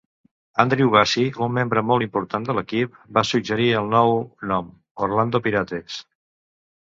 Andrew Bassie, un membre molt important de l"equip, va suggerir el nou nom, "Orlando Pirates".